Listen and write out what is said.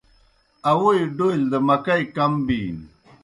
اووئی ڈولیْ دہ مکئی کم بِینیْ۔